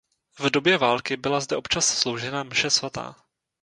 V době války byla zde občas sloužena mše svatá.